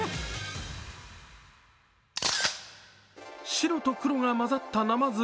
白と黒が混ざったなまず。